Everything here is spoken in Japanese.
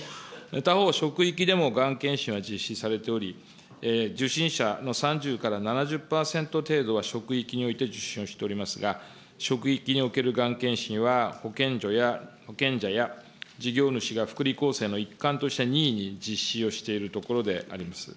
他方、職域でもがん検診は実施されており、受診者の３０から７０％が職域において受診をしておりますが、職域におけるがん検診は、保険者や事業主が福利厚生の一環として任意に実施をしているところであります。